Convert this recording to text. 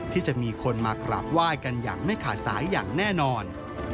ที่จะมีคนมากราบไหว้กันอย่างไม่ขาดสายอย่างแน่นอน